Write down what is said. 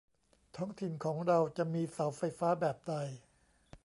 ท้องถิ่นของเราจะมีเสาไฟฟ้าแบบใด